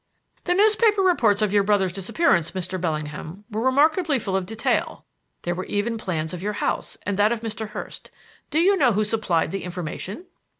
"The newspaper reports of your brother's disappearance, Mr. Bellingham, were remarkably full of detail. There were even plans of your house and that of Mr. Hurst. Do you know who supplied the information?"